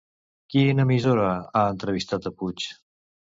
Quina emissora ha entrevistat a Puig?